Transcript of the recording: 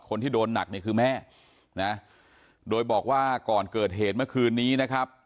คนที่โดนหนักเนี่ยคือแม่นะโดยบอกว่าก่อนเกิดเหตุเมื่อคืนนี้นะครับ